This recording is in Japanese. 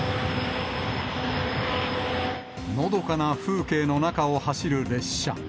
のどかな風景の中を走る列車。